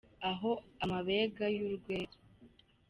Aho amabega y’urwera